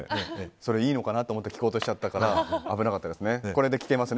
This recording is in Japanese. それはいいのかなと思って聞こうとして危なかったですね。